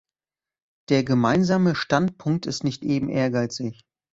Der Gemeinsame Standpunkt ist nicht eben ehrgeizig.